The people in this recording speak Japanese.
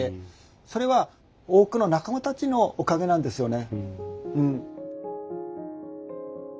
それは多くの仲間たちのおかげなんですよね。